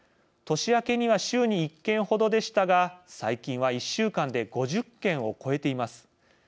年明けには週に１件ほどでしたが最近は１週間で５０件を超えています。